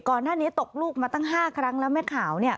ก่อนหน้านี้ตกลูกมาตั้ง๕ครั้งแล้วแม่ขาวเนี่ย